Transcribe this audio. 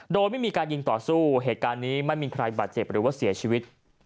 โดยไม่มีการยิงต่อสู้เหตุการณ์นี้ไม่มีใครบาดเจ็บหรือว่าเสียชีวิต